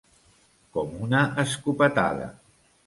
Com una escopetada.